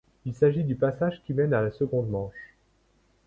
Il s’agit du passage qui mène à la seconde manche.